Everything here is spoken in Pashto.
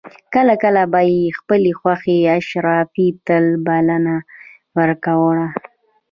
کله کله به یې خپلې خوښې اشرافي ته بلنه ورکړه.